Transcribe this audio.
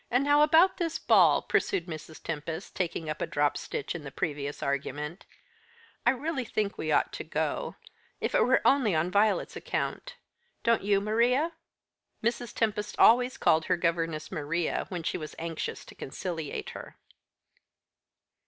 "And now, about this ball," pursued Mrs. Tempest, taking up a dropped stitch in the previous argument; "I really think we ought to go, if it were only on Violet's account. Don't you, Maria?" Mrs. Tempest always called her governess Maria when she was anxious to conciliate her.